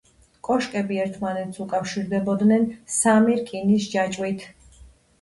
კოშკები ერთმანეთს უკავშირდებოდნენ სამი რკინის ჯაჭვით.